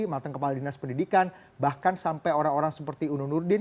mantan kepala dinas pendidikan bahkan sampai orang orang seperti uno nurdin